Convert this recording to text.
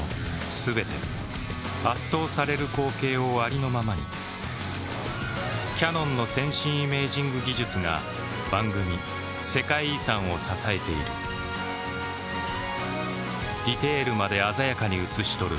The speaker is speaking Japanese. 全て圧倒される光景をありのままにキヤノンの先進イメージング技術が番組「世界遺産」を支えているディテールまで鮮やかに映し撮る